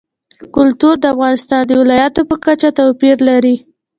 کلتور د افغانستان د ولایاتو په کچه توپیر لري.